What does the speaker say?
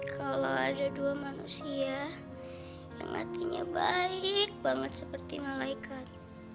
kalau ada dua manusia yang matinya baik banget seperti malaikat